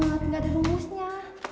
gak ada rumusnya